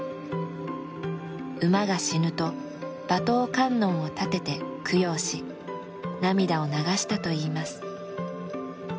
馬が死ぬと馬頭観音を建てて供養し涙を流したといいます。